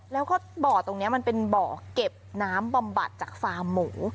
แล้วก็บ่อตรงนี้มันเป็นบ่อเก็บน้ำบำบัดจากฟาร์มหมู